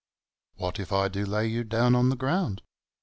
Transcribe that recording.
What if I do lay you dxruon on the ground.